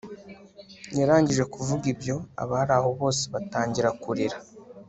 Yarangije kuvuga ibyo abari aho bose batangira kurira